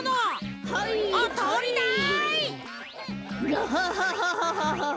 ガハハハハ。